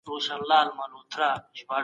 ځان وژنه د ټولنيز پيوستون په اساس وېشل کيږي.